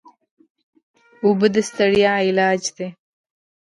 اوبه د ستړیا علاج دي.